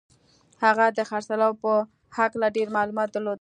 هغه د خرڅلاو په هکله ډېر معلومات درلودل